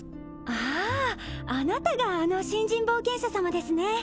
あああなたがあの新人冒険者様ですね